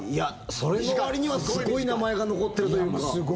それのわりにはすごい名前が残ってるというか。